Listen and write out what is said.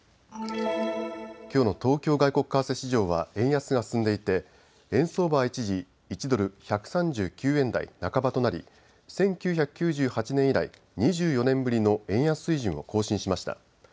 きょうの東京外国為替市場は円安が進んでいて円相場は一時、１ドル１３９円台半ばとなり１９９８年以来、２４年ぶりの円安水準を更新しました。